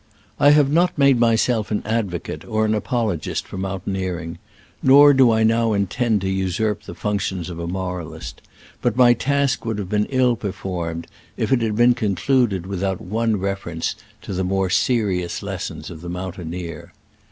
I have not made myself an advocate or an apologist for mountaineering, nor do I now intend to usurp the functions of a moralist, but my task would have been ill performed if it had been con cluded without one reference to the more serious lessons of the mountaineer.